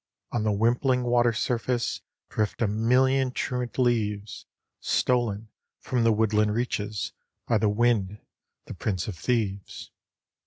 On the wimpling water's surface Drift a million truant leaves, Stolen from the woodland reaches By the wind, the prince of thieves.